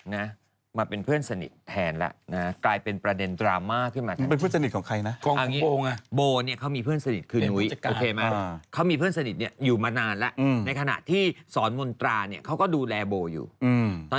ฉันทนไม่ไหวแล้วชีวิตนี้ฉันต้องแบบอยู่ใต้อันนั้นเธอมาตลอดเวลา